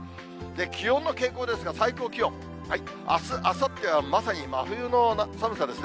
気温の傾向ですが、最高気温、あすあさってはまさに真冬の寒さですね。